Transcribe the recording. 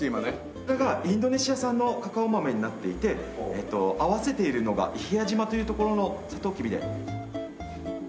これがインドネシア産のカカオ豆になっていて合わせているのが伊平屋島という所のサトウキビで。